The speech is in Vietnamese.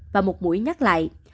và một mũi nhắc lại